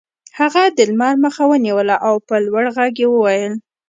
هغه د لمر مخه ونیوله او په لوړ غږ یې وویل